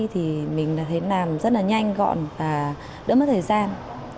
thì mình thấy làm rất là nhanh gọn và đỡ mất thời gian